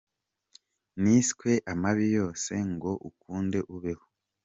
niswe amabi yose ngo ukunde ubeho.